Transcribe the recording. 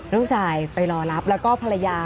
ลูกชายไปรอรับแล้วก็ภรรยา